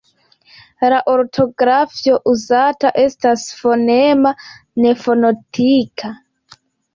La ortografio uzata estas fonema, ne fonetika.